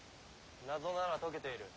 謎なら解けている。